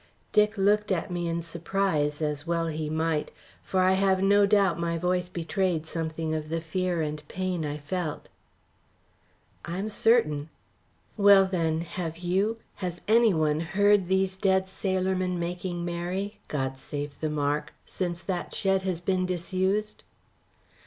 Dick looked at me in surprise, as well he might; for I have no doubt my voice betrayed something of the fear and pain I felt. "I am certain." "Well, then, have you, has any one heard these dead sailormen making merry God save the mark since that shed has been disused?"